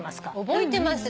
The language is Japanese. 覚えてます。